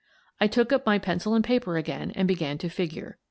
I took up pencil and paper again and began to figure.